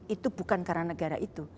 itu bukan karena negara itu